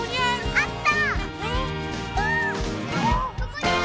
あった！